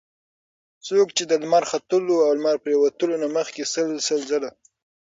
څوک چې د لمر ختلو او لمر پرېوتلو نه مخکي سل سل ځله